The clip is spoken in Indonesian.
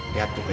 liat tuh ini